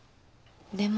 でも。